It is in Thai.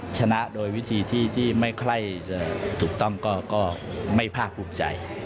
ชนะโดยวิธีที่ไม่ค่อยจะถูกต้องก็ไม่ภาคภูมิใจ